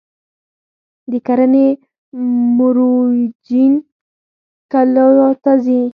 د کرنې مرویجین کلیو ته ځي